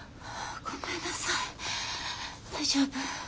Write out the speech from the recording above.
ごめんなさい大丈夫。